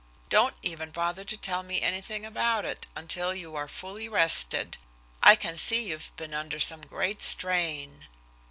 Don't even bother to tell me anything about it until you are fully rested. I can see you've been under some great strain."